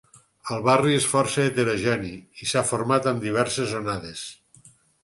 El barri és força heterogeni i s'ha format en diverses onades.